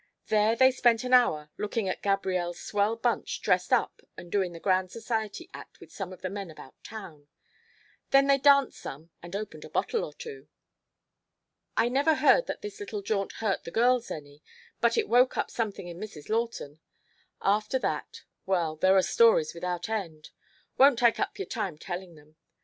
There they spent an hour lookin' at Gabrielle's swell bunch dressed up and doin' the grand society act with some of the men about town. Then they danced some and opened a bottle or two. "I never heard that this little jaunt hurt the girls any, but it woke up something in Mrs. Lawton. After that well, there are stories without end. Won't take up your time tellin' them.